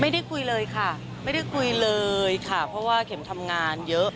ไม่ได้คุยเลยค่ะไม่ได้คุยเลยค่ะเพราะว่าเข็มทำงานเยอะ